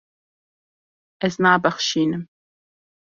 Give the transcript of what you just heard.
Ez nabexşînim.